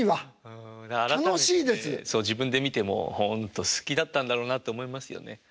改めて自分で見てもほんと好きだったんだろうなって思いますよね。